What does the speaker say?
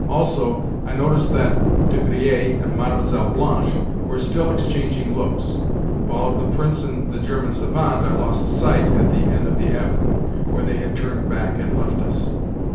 Also, I noticed that De Griers and Mlle. Blanche were still exchanging looks; while of the Prince and the German savant I lost sight at the end of the Avenue, where they had turned back and left us.